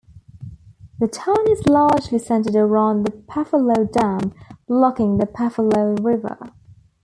The town is largely centered around the Pefferlaw Dam, blocking the Pefferlaw River.